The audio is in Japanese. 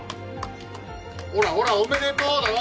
ほらほらおめでとうだろ。